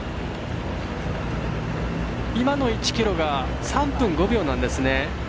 今の１ｋｍが３分５秒なんですね。